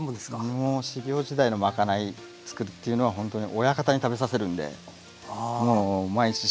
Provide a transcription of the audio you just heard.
もう修業時代のまかないつくるっていうのはほんとに親方に食べさせるんでもう毎日真剣勝負ですね。